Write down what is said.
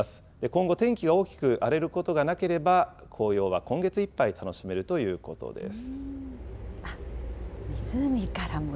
今後、天気が大きく荒れることがなければ、紅葉は今月いっぱい楽しめるということです。